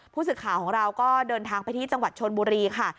ผู้สื่อข่าวของเราก็เดินทางไปที่จังหวัดชนบุรีค่ะ